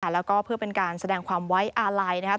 แล้วก็เพื่อเป็นการแสดงความไว้อาลัยนะครับ